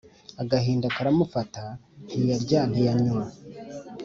Agahinda karamufata ntiyarya ntiyanywa